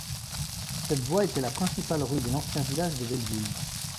Cette voie était la principale rue de l'ancien village de Belleville.